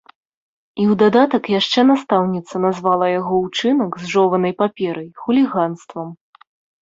І ў дадатак яшчэ настаўніца назвала яго ўчынак з жованай паперай хуліганствам.